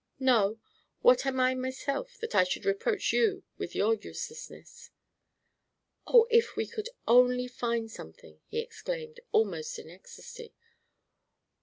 "No. What am I myself, that I should reproach you with your uselessness?" "Oh, if we could only find something!" he exclaimed, almost in ecstasy.